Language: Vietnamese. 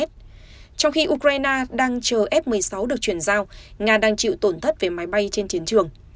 trong khi ukraine đang chờ f một mươi sáu được chuyển giao nga đang chịu tổn thất về máy bay trên chiến trường